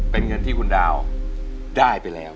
เป็นเงินที่คุณดาวได้ไปแล้ว